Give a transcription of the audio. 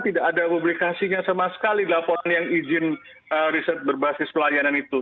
tidak ada publikasinya sama sekali laporan yang izin riset berbasis pelayanan itu